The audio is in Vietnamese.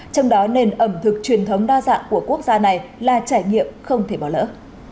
trong đó nền ẩm thực truyền thống đa dạng của quốc gia này là trải nghiệm không thể bỏ lỡ